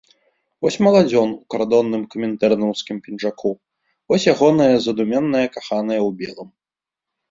Вось маладзён у кардонным камінтэрнаўскім пінжаку, вось ягоная задуменная каханая ў белым.